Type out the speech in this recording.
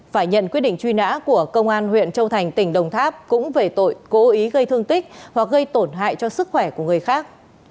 phải nhận quyết định truy nã của công an huyện châu thành tỉnh đồng tháp cũng về tội cố ý gây thương tích hoặc gây tổn hại cho sức khỏe của người khác